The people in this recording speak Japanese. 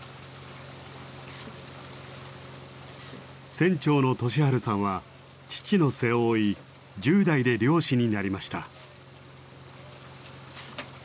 船長の俊晴さんは父の背を追い１０代で漁師になりました。